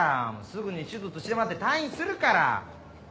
すぐに手術してもらって退院するから！